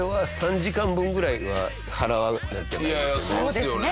そうですね。